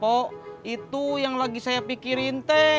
oh itu yang lagi saya pikirin teh